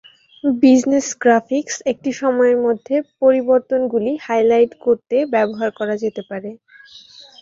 Business graphics একটি সময়ের মধ্যে পরিবর্তনগুলি হাইলাইট করতে ব্যবহার করা যেতে পারে।